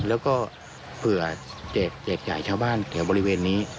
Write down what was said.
แล้วก็เผื่อแจกจ่ายชาวบ้านแถวบริเวณนี้